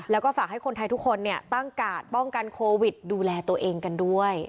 แล้วก็ฝากให้คนไทยทุกคนเนี่ยตั้งกาดป้องกันโควิดดูแลตัวเองกันด้วย